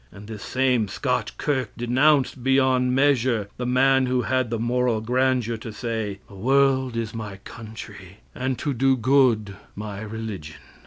And this same Scotch kirk denounced, beyond measure, the man who had the moral grandeur to say, "The world is my country, and to do good my religion."